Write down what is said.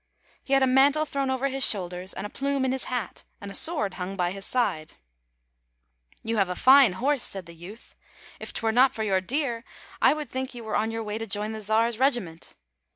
He had a mantle thrown over his shoulders, [ 159 ] FAVORITE FAIRY TALES RETOLD and a plume in his hat, and a sword hung by his side. " You have a fine horse," said the youth. " If 'twere not for your deer I would think you were on your way to join the Czar's regiment."